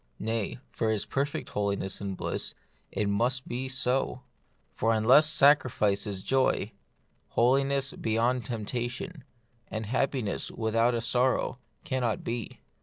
Nay, for his perfect holiness and bliss, it must be so. For unless sacrifice is joy, holiness beyond jo The Mystery of Pain. temptation, and happiness without a sorrow, cannot be.